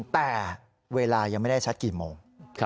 แต่เวลายังไม่ได้ชัดกี่โมง